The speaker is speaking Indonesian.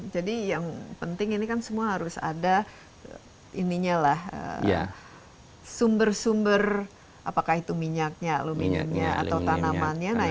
jadi yang penting ini kan semua harus ada sumber sumber apakah itu minyaknya aluminiumnya atau tanamannya